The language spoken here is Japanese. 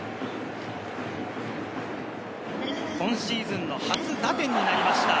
今シーズンの初打点となりました